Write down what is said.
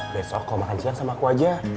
besok kau makan siang sama aku aja